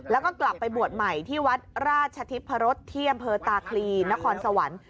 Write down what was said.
แล้วก็กลับไปบวชใหม่ที่วัดราชทิพรสที่อำเภอตาคลีนครสวรรค์